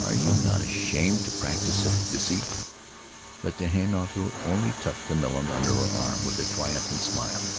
Are you not ashamed to practice such deceit?" But Tehinatu only tucked the melon under her arm with a triumphant smile.